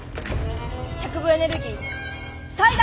脚部エネルギー最大！